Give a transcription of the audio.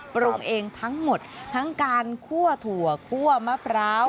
ปรุงเองทั้งหมดทั้งการคั่วถั่วคั่วมะพร้าว